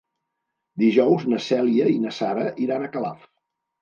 Dijous na Cèlia i na Sara iran a Calaf.